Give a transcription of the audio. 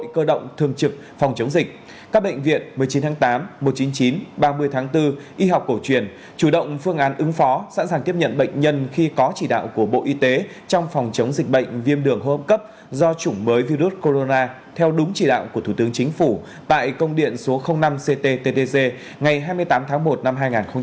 các bệnh viện một mươi chín tháng tám một nghìn chín trăm chín mươi chín ba mươi tháng bốn y học cổ truyền chủ động phương án ứng phó sẵn sàng tiếp nhận bệnh nhân khi có chỉ đạo của bộ y tế trong phòng chống dịch bệnh viêm đường hô hấp cấp do chủng mới virus corona theo đúng chỉ đạo của thủ tướng chính phủ tại công điện số năm ctttc ngày hai mươi tám tháng một năm hai nghìn hai mươi